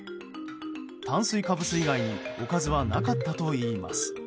炭水化物以外におかずはなかったといいます。